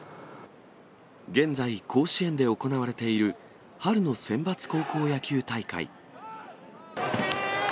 現在、甲子園で行われている春のセンバツ高校野球大会。